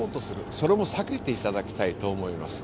それも避けていただきたいと思います。